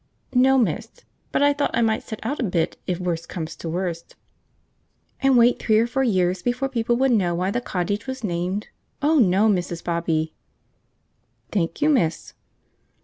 "No, miss, but I thought I might set out a bit, if worst come to worst." "And wait three or four years before people would know why the cottage was named? Oh no, Mrs. Bobby." "Thank you, miss."